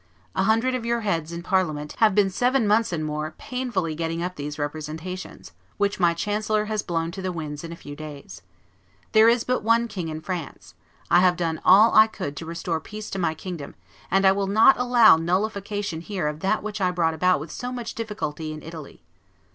A hundred of your heads, in Parliament, have been seven months and more painfully getting up these representations, which my chancellor has blown to the winds in a few days. There is but one king in France; I have done all I could to restore peace to my kingdom; and I will not allow nullification here of that which I brought about with so much difficulty in Italy.